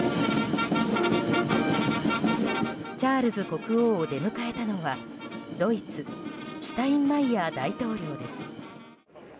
チャールズ国王を出迎えたのはドイツシュタインマイヤー大統領です。